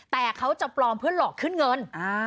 แต่เขาจะปลอมเพื่อหลอกขึ้นเงิน